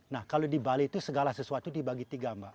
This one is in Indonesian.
nah kalau di bali itu segala sesuatu dibagi tiga mbak